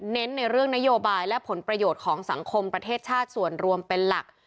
ในเรื่องนโยบายและผลประโยชน์ของสังคมประเทศชาติส่วนรวมเป็นหลัก